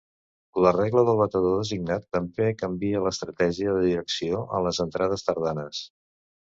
La regla del batedor designat també canvia l'estratègia de direcció en les entrades tardanes.